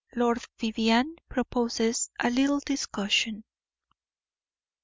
LORD VIVIANNE PROPOSES A LITTLE DISCUSSION.